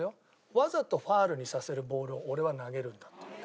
わざとファウルにさせるボールを俺は投げるんだ」って言うわけ。